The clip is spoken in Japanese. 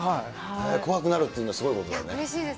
怖くなるっていうの、すごいことです。